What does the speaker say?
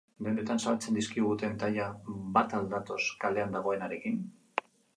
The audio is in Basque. Dendetan saltzen dizkiguten tailak bat al datoz kalean dagoenarekin?